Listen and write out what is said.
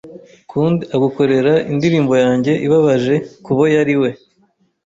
Kund agukorera indirimbo yanjye ibabaje kubo yari we